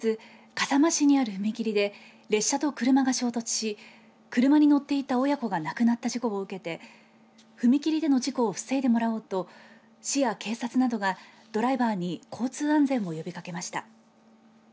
ことし１月笠間市にある踏切で列車と車が衝突し車に乗っていて親子が亡くなった事故を受けて踏切での事故を防いでもらおうと市や警察などがドライバーに交通安全を呼びかけました。